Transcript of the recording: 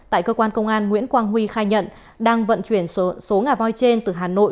tại cơ quan công an nguyễn quang huy khai nhận đang vận chuyển số ngà voi trên từ hà nội